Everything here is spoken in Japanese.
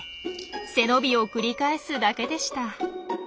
背伸びを繰り返すだけでした。